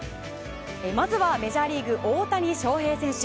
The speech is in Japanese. まずは、メジャーリーグ大谷翔平選手。